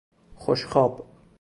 خوشخواب